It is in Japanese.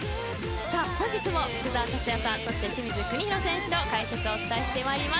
本日も福澤達哉さんそして清水邦広選手と解説でお伝えしてまいります。